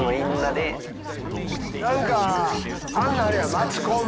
何かあんなんあるやん。